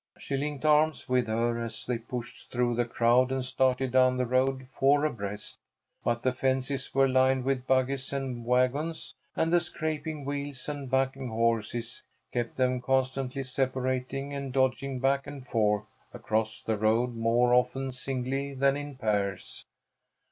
She linked arms with her as they pushed through the crowd, and started down the road four abreast. But the fences were lined with buggies and wagons, and the scraping wheels and backing horses kept them constantly separating and dodging back and forth across the road, more often singly than in pairs.